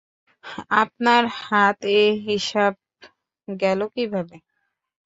আপনার হাতে এ হিসাব গেল কীভাবে?